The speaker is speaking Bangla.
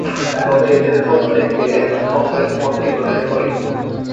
তবে এদের প্রত্যেকে কংগ্রেস পন্থী জোটের শরিক।